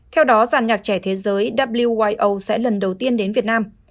theo đó giàn nhạc trẻ thế giới wio sẽ lần đầu tiên đến việt nam